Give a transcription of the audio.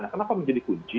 kenapa menjadi kunci